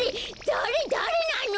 だれだれなの！？